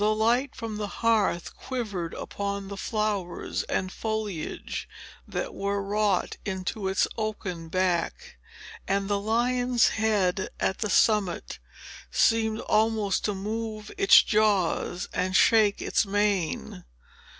The light from the hearth quivered upon the flowers and foliage, that were wrought into its oaken back; and the lion's head at the summit seemed almost to move its jaws and shake its mane.